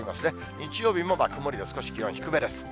日曜日も曇りで、少し気温低めです。